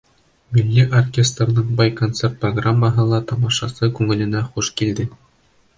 Милли оркестрҙың бай концерт программаһы ла тамашасы күңеленә хуш килде.